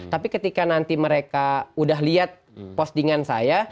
tapi ketika nanti mereka udah lihat postingan saya